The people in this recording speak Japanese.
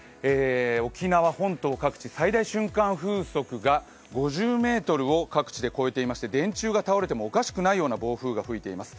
沖縄本島各地、最大瞬間風速が５０ｍを各地で超えていまして電柱が倒れてもおかしくないような暴風雨が吹いています。